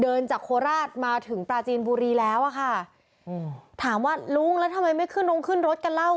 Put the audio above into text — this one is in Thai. เดินจากโคราชมาถึงปลาจีนบุรีแล้วอ่ะค่ะอืมถามว่าลุงแล้วทำไมไม่ขึ้นลงขึ้นรถกันเล่า